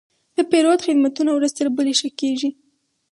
د پیرود خدمتونه ورځ تر بلې ښه کېږي.